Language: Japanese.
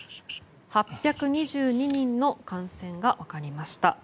８２２人の感染が分かりました。